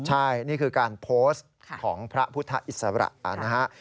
ใช่นี่คือการโพสต์ของพระพุทธอิสระนะฮะ